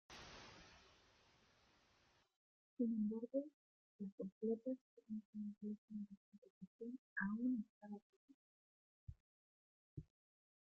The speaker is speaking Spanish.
Sin embargo, la completa supremacía inglesa en la competición aún estaba por llegar.